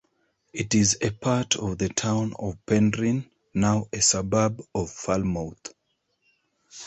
It is a part of the town of Penryn, now a suburb of Falmouth.